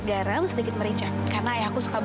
terus kamu dikapkin namanya gimana